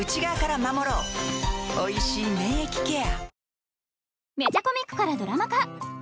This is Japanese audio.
おいしい免疫ケア